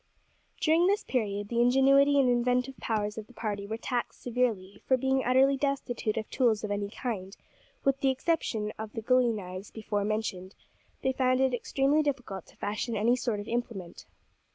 During this period the ingenuity and inventive powers of the party were taxed severely, for, being utterly destitute of tools of any kind, with the exception of the gully knives before mentioned, they found it extremely difficult to fashion any sort of implement.